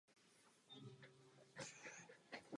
Hodně štěstí nám všem s Ázerbájdžánci a Turkmenistánci na trhu.